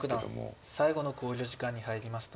伊藤六段最後の考慮時間に入りました。